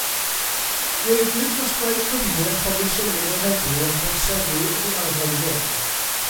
Gwleidydd dros Blaid Cymru a Chomisiynydd yr Heddlu a Throseddu ydy Arfon Jones.